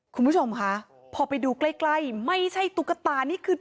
คุณผู้ชมค่ะพอไปดูใกล้ใกล้ไม่ใช่ตุ๊กตานี่คือ